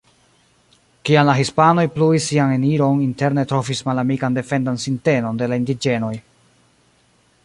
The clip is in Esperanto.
Kiam la hispanoj pluis sian eniron interne trovis malamikan defendan sintenon de la indiĝenoj.